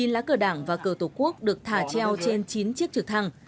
chín lá cờ đảng và cờ tổ quốc được thả treo trên chín chiếc trực thăng